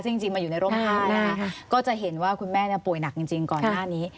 ซึ่งจริงมาอยู่ในร่มผ้านะคะก็จะเห็นว่าคุณแม่ป่วยหนักจริงก่อนหน้านี้